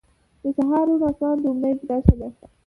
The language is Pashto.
• د سهار روڼ آسمان د امید نښه ده.